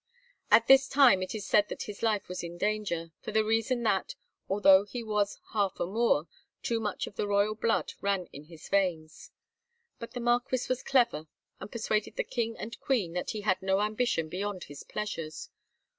At this time it is said that his life was in danger, for the reason that, although he was half a Moor, too much of the blood royal ran in his veins. But the Marquis was clever, and persuaded the king and queen that he had no ambition beyond his pleasures.